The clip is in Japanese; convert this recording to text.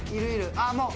ああもう。